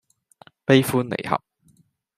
悲歡離合